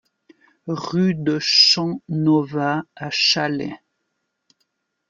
Rue de Champnovaz à Challex